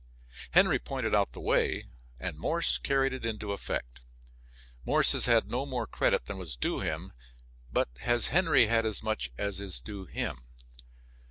Henry pointed out the way, and Morse carried it into effect. Morse has had no more credit than was due him, but has Henry had as much as is due him?